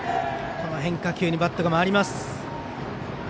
変化球にバットが回ります。